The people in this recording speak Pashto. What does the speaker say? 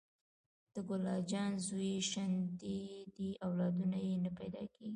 د ګل اجان زوی شنډ دې اولادونه یي نه پیداکیږي